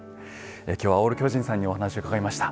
今日はオール巨人さんにお話を伺いました。